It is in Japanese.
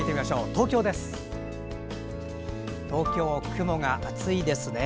東京、雲が厚いですね。